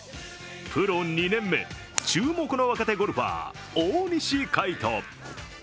プロ２年目、注目の若手ゴルファー大西魁斗。